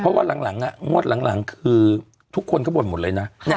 เพราะว่าหลังหลังอ่ะงวดหลังหลังคือทุกคนเข้าบนหมดเลยน่ะค่ะ